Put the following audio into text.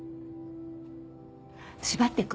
縛ってく？